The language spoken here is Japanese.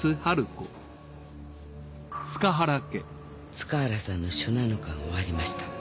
塚原さんの初七日が終わりました。